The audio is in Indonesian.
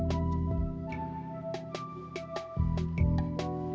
aku enak sih pas sama siapahusnya